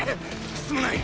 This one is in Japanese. すまない！